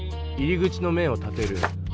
入り口の面を立てる。